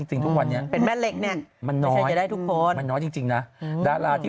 จริงทุกวันนี้มันน้อยจะได้ทุกคนน้อยจริงนะดาราที่